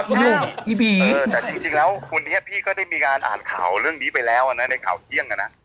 พี่บีเออแต่จริงแล้ววันนี้พี่ก็ได้มีการอ่านข่าวเรื่องนี้ไปแล้วนะในข่าวเที่ยงอ่ะนะ